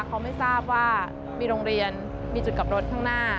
เขาไม่ทราบว่ามีโรงเรียนมีจุดกลับรถข้างหน้า